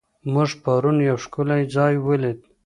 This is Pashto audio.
موږ پرون یو ښکلی ځای ولید.